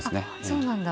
そうなんだ。